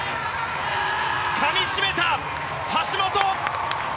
かみしめた、橋本！